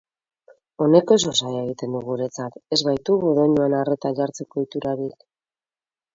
Honek oso zaila egiten du guretzat, ez baitugu doinuan arreta jartzeko ohiturarik.